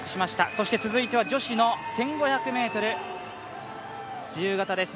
そして続いては女子の１５００ｍ自由形です。